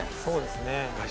そうですね。